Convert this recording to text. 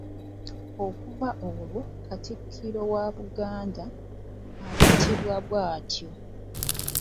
Okuva olwo Katikkiro wa Buganda ayitibwa bw'atyo.